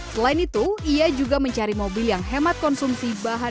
selain itu ia juga mencari mobil yang hemat konsumsi bahan